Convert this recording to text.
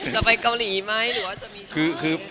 จะไปเกาหลีไหมหรือว่าจะมีชื่อไหม